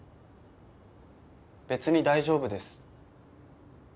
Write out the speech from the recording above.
別に大丈夫です。